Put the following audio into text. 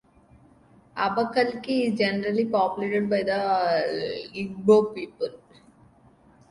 Abakaliki is generally populated by the Igbo people.